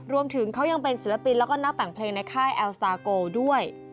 รวมถึงเขายังเป็นศิลปินแล้วก็นักแต่งเพลงในค่ายแอลสตาโกด้วย